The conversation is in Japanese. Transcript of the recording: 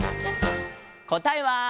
「こたえは」